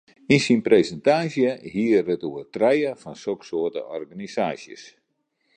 Yn syn presintaasje hie er it oer trije fan soksoarte organisaasjes.